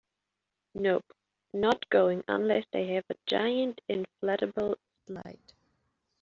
Nope, not going unless they have a giant inflatable slide.